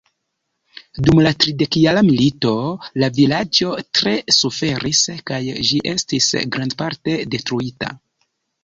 Dum la tridekjara milito la vilaĝo tre suferis kaj ĝi estis grandparte detruita.